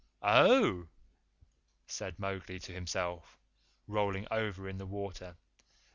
"Oh!" said Mowgli to himself, rolling over in the water.